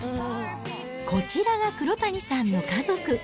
こちらが黒谷さんの家族。